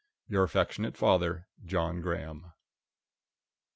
Your affectionate father, JOHN GRAHAM.